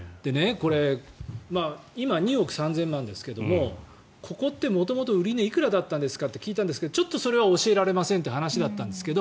これ、今２億３０００万ですけどもここって元々、売り値いくらだったんですか？って聞いたんですけどちょっとそれは教えられませんという話だったんですけど。